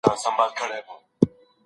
مثلث درې کونجونه لري.